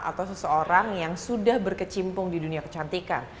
atau seseorang yang sudah berkecimpung di dunia kecantikan